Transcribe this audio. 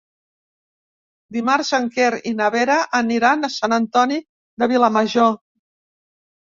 Dimarts en Quer i na Vera aniran a Sant Antoni de Vilamajor.